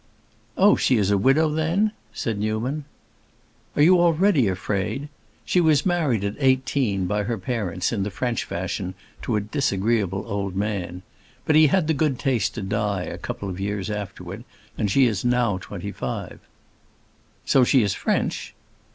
"Oh, she is a widow, then?" said Newman. "Are you already afraid? She was married at eighteen, by her parents, in the French fashion, to a disagreeable old man. But he had the good taste to die a couple of years afterward, and she is now twenty five." "So she is French?"